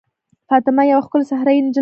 فاطمه یوه ښکلې صحرايي نجلۍ ده.